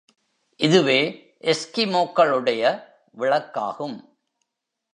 இதுவே எஸ்கிமோக்களுடைய விளக்காகும்.